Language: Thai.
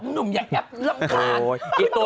หนุ่มอยากน้ำขาด